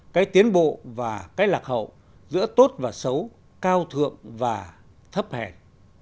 cái tiến bộ và cái lạc hậu giữa tốt và xấu cao thượng và thấp hèn